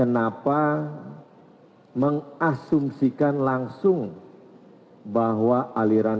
pak alex verrhubanan reddiki stm sudah tidak selesai